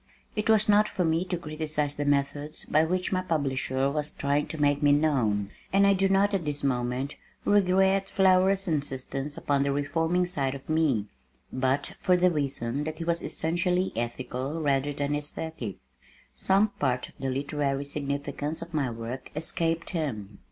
It was not for me to criticise the methods by which my publisher was trying to make me known, and I do not at this moment regret Flower's insistence upon the reforming side of me, but for the reason that he was essentially ethical rather than esthetic, some part of the literary significance of my work escaped him.